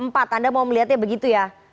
anda mau melihatnya begitu ya